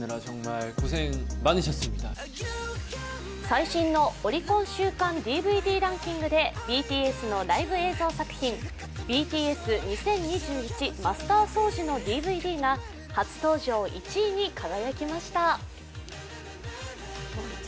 最新のオリコン週間ＤＶＤランキングでＢＴＳのライブ映像作品「ＢＴＳ２０２１ＭＵＳＴＥＲＳＯＷＯＯＺＯＯ」のＤＶＤが初登場１位に輝きました。